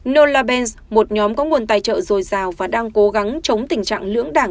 nola benz một nhóm có nguồn tài trợ dồi dào và đang cố gắng chống tình trạng lưỡng đảng